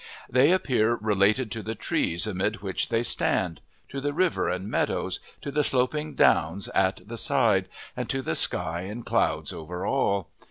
They appear related to the trees amid which they stand, to the river and meadows, to the sloping downs at the side, and to the sky and clouds over all.